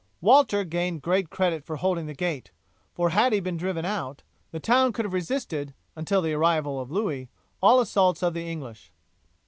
Walter gained great credit for holding the gate, for had he been driven out, the town could have resisted, until the arrival of Louis, all assaults of the English.